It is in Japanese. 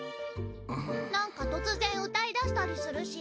なんか突然歌いだしたりするし。